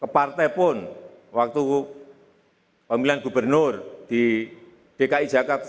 partai pun waktu pemilihan gubernur di dki jakarta